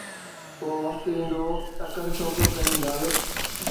ڪو وقت ايندو، تڪڙ ڇو پيو ڪرين غالب!